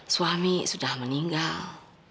suami sudah meninggal